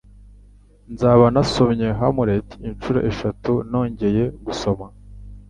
Nzaba nasomye Hamlet inshuro eshatu nongeye gusoma.